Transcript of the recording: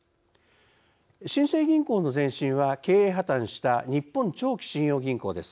新生銀行の前身は経営破綻した日本長期信用銀行です。